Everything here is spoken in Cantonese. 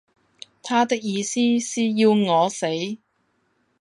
他的意思是要我死。